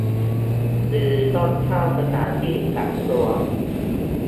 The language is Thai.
หรือต้องเข้าสถานที่กักตัว